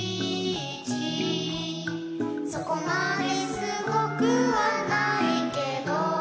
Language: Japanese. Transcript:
「そこまですごくはないけど」